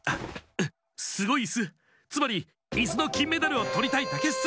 すごいイスつまりイスのきんメダルをとりたいだけッス。